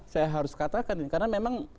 saya harus katakan karena memang